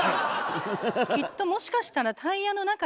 きっともしかしたらタイヤの中に。